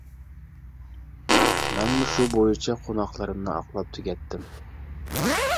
مەنمۇ شۇ بويىچە قوناقلىرىمنى ئاقلاپ تۈگەتتىم.